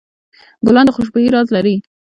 ګلان د خوشبویۍ راز لري.